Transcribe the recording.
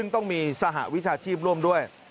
ต้องมีสหวิชาชีพร่วมด้วย